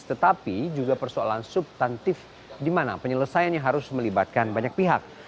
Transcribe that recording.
tetapi juga persoalan subtantif di mana penyelesaiannya harus melibatkan banyak pihak